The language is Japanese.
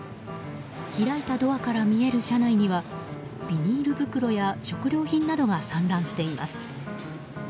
開いたドアから見える車内にはビニール袋や食料品などが散乱しています。